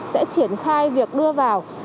sẽ triển khai việc đưa vào